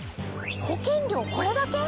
保険料これだけ？